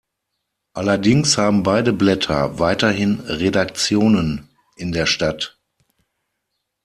Allerdings haben beide Blätter weiterhin Redaktionen in der Stadt.